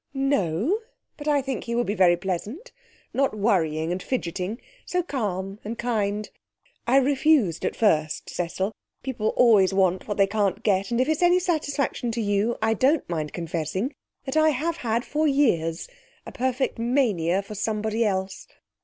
'No. But I think he will be very pleasant not worrying and fidgeting so calm and kind. I refused at first, Cecil. People always want what they can't get, and if it's any satisfaction to you, I don't mind confessing that I have had, for years, a perfect mania for somebody else.